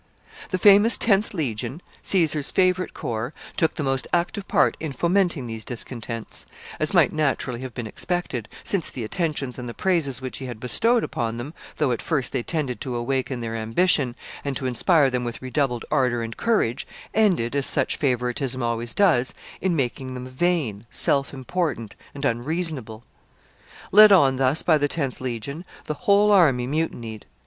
] The famous tenth legion, Cesar's favorite corps, took the most active part in fomenting these discontents, as might naturally have been expected, since the attentions and the praises which he had bestowed upon them, though at first they tended to awaken their ambition, and to inspire them with redoubled ardor and courage, ended, as such favoritism always does, in making them vain, self important, and unreasonable. Led on thus by the tenth legion, the whole army mutinied.